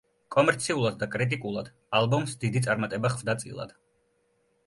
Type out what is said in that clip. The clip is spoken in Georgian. კომერციულად და კრიტიკულად ალბომს დიდი წარმატება ხვდა წილად.